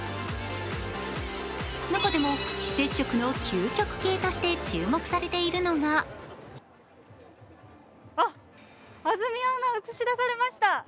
中でも、非接触の究極系として注目されているのがあ、安住アナが映し出されました、